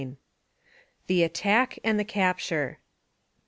THE ATTACK AND THE CAPTURE.